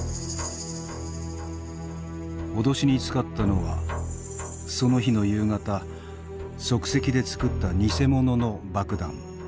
脅しに使ったのはその日の夕方即席で作った偽物の爆弾。